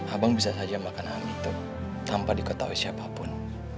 abang bisa saja makan itu tanpa diketahui siapapun